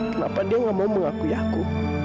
kenapa dia gak mau mengakui aku